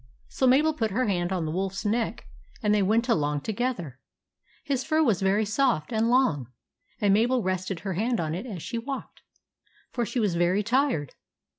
So Mabel put her hand on the wolf's neck and they went along together. His fur was very soft and long, and Mabel rested her hand on it as she walked, for she was very tired.